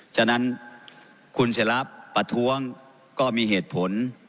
ฉะนั้นคุณศิราประท้วงก็มีเหตุผล